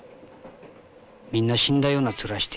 みんな死んだような面してやがる。